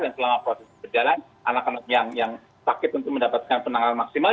dan selama proses ini berjalan anak anak yang sakit untuk mendapatkan penanganan maksimal